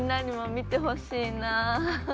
見てほしい？